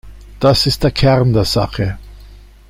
Das ist der Kern der Sache.